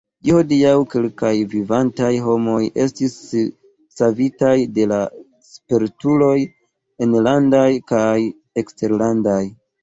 Ĝis hodiaŭ kelkaj vivantaj homoj estis savitaj de la spertuloj enlandaj kaj eksterlandaj.